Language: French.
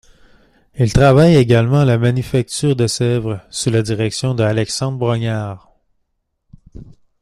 Il travaille également à la Manufacture de Sèvres sous la direction de Alexandre Brongniart.